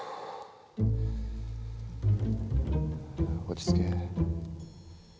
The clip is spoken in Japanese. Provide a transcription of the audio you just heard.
落ち着け。